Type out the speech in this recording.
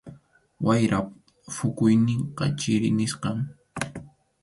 Wayrap phukuyninqa chiri nisqam.